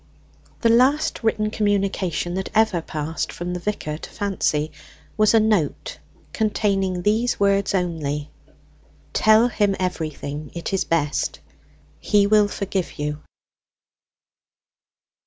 The last written communication that ever passed from the vicar to Fancy, was a note containing these words only: "Tell him everything; it is best. He will forgive you."